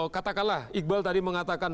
katakanlah iqbal tadi mengatakan